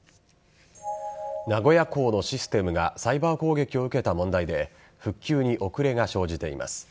名古屋港のシステムがサイバー攻撃を受けた問題で復旧に遅れが生じています。